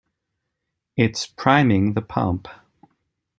It's priming the pump.